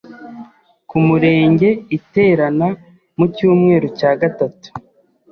Ku Murenge iterana mu cyumweru cya gatatu